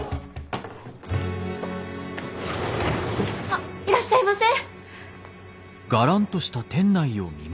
あっいらっしゃいませ。